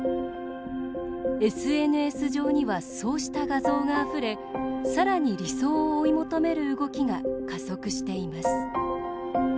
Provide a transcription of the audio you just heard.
ＳＮＳ上にはそうした画像があふれさらに、理想を追い求める動きが加速しています。